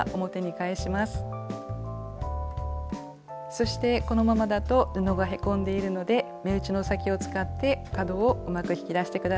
そしてこのままだと布がへこんでいるので目打ちの先を使って角をうまく引き出して下さい。